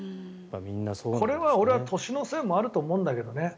これは俺は年のせいもあると思うんだけどね。